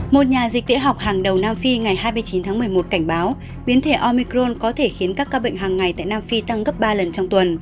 một nhà dịch tễ học hàng đầu nam phi ngày hai mươi chín tháng một mươi một cảnh báo biến thể omicron có thể khiến các ca bệnh hàng ngày tại nam phi tăng gấp ba lần trong tuần